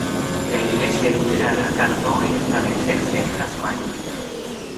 La Iglesia Luterana tardó en establecerse en Tasmania.